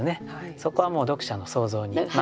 そこはもう読者の想像に任せています。